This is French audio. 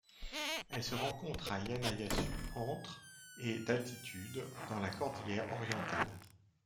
Elle se rencontre à Yanayacu entre et d'altitude dans la cordillère Orientale.